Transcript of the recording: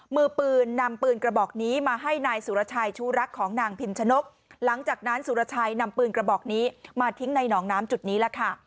มือปืนนำปืนกระบอกนี้มาให้นายสุรชัยชูรักของนางพิมชนกหลังจากนั้นสุรชัยนำปืนกระบอกนี้มาทิ้งในหนองน้ำจุดนี้ล่ะค่ะ